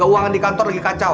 uang di kantor lagi kacau